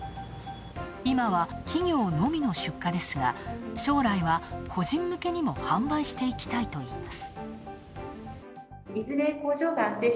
今は企業のみの出荷ですが、将来は個人向けにも販売していきたいといいます。